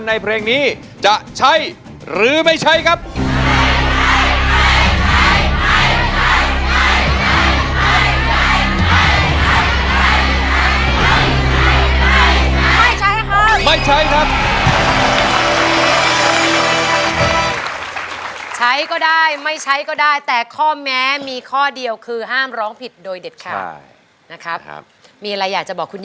ในเพลงนี้จะใช้หรือไม่ใช้ครับ